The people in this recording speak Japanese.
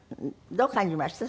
どう感じました？